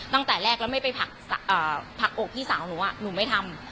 ตั้งแต่แรกแล้วไม่ไปผลักอกพี่สาวหนูหนูไม่ทำ